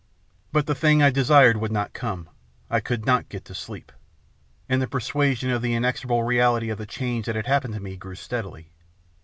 But the thing I desired would not come. I could not get to sleep. And the persuasion of the inexor able reality of the change that had happened to me grew steadily.